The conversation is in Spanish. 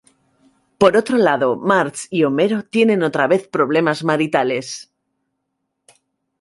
Por otro lado, Marge y Homero tienen otra vez problemas maritales.